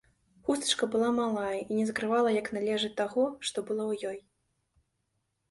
Хустачка была малая і не закрывала як належыць таго, што было ў ёй.